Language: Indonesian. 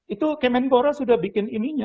itu kemenpora sudah bikin ininya